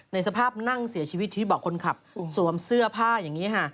สภาพนั่งเสียชีวิตที่เบาะคนขับสวมเสื้อผ้าอย่างนี้ค่ะ